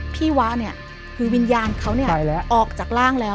พี่วะเนี่ยคือวิญญาณเขาเนี่ยออกจากร่างแล้ว